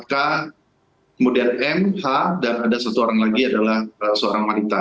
kemudian m h dan ada satu orang lagi adalah seorang wanita